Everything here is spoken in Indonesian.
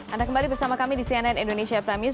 anda kembali bersama kami di cnn indonesia prime news